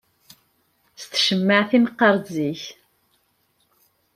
S tcemmaɛt i neqqaṛ zik.